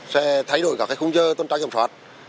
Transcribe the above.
sẽ thay đổi các cái khung giờ tuần trang giảm thoát